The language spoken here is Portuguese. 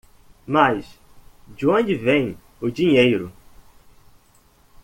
Mas de onde vem o dinheiro?